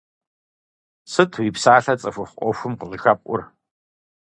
Сыт уи псалъэ цӀыхухъу Ӏуэхум къыщӀыхэпӀур?